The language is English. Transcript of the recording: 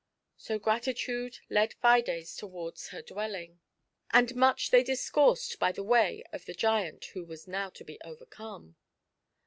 So Gratitude led Fides towards her dwelling, and 118 FAIR GRATITUDE. much they discoui*sed by the way of the giant who was now to be overcome.